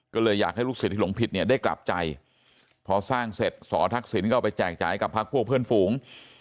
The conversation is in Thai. ก็เลยอยากให้ลูกศิษย์หลงผิดเนี่ยได้กลับใจพอสร้างเสร็จสอทักษิณก็เอาไปแจกจ่ายให้กับพักพวกเพื่อนฝูง